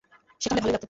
সেটা হলে ভালোই লাগত।